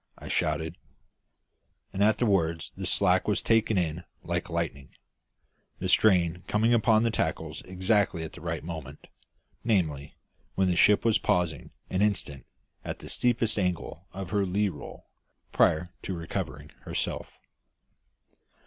I shouted; and at the words the slack was taken in like lightning, the strain coming upon the tackles exactly at the right moment, namely, when the ship was pausing an instant at the steepest angle of her lee roll, prior to recovering herself.